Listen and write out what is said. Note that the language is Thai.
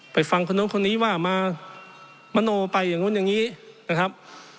ฟังคนนู้นคนนี้ว่ามามโนไปอย่างนู้นอย่างนี้นะครับ